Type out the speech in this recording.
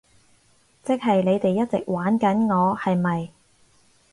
即係你哋一直玩緊我，係咪？